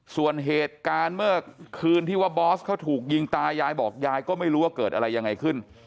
ส่วนเหตุการณ์เมื่อคืนที่ว่าบอสเขาถูกยิงตายายบอกยายก็ไม่รู้ว่าเกิดอะไรยังไงขึ้น